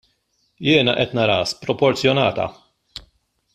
Jiena qed naraha sproporzjonata.